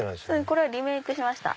これはリメイクしました。